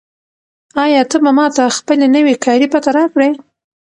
آیا ته به ماته خپله نوې کاري پته راکړې؟